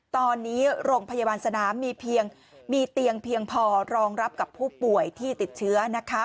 ตอนนี้โรงพยาบาลสนามมีเพียงมีเตียงเพียงพอรองรับกับผู้ป่วยที่ติดเชื้อ